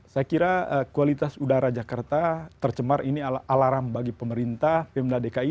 saya kira kualitas udara jakarta tercemar ini alarm bagi pemerintah pemerintah dki